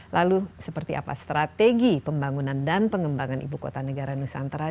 lalu seperti apa strategi pembangunan dan pengembangan ibu kota negara nusantara